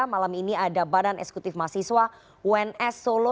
malam ini ada badan eksekutif mahasiswa uns solo